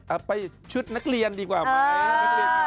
เอาไปชุดนักเรียนดีกว่าไหม